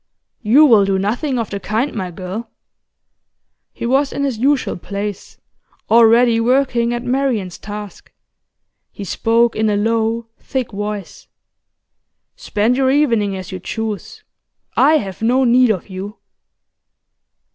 'You will do nothing of the kind, my girl.' He was in his usual place, already working at Marian's task; he spoke in a low, thick voice. 'Spend your evening as you choose, I have no need of you.